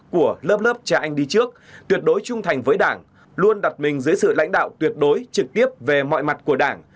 của lớp lớp cha anh đi trước tuyệt đối trung thành với đảng luôn đặt mình dưới sự lãnh đạo tuyệt đối trực tiếp về mọi mặt của đảng